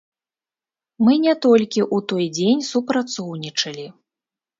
Мы не толькі ў той дзень супрацоўнічалі.